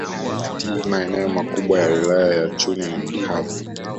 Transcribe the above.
Maeneo makubwa ya Wilaya ya Chunya ni makavu